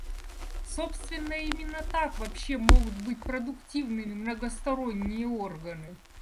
Собственно, именно так вообще могут быть продуктивными многосторонние органы.